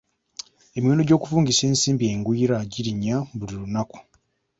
Emiwendo gy'okuvungisa ensimbi engwiira girinnya buli lunaku.